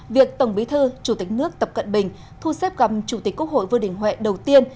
việc tổng bí thư chủ tịch nước tập cận bình thu xếp gặm chủ tịch quốc hội vương đình huệ đầu tiên